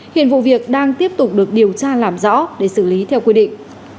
hiện vụ việc đang tiếp tục được điều tra làm rõ để xử lý theo quy định